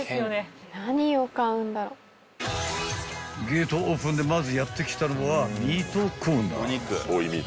［ゲートオープンでまずやって来たのはミートコーナー］